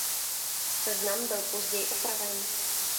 Seznam byl později opraven.